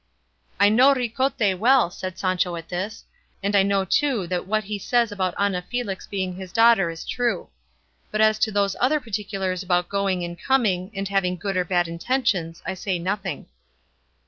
"I know Ricote well," said Sancho at this, "and I know too that what he says about Ana Felix being his daughter is true; but as to those other particulars about going and coming, and having good or bad intentions, I say nothing."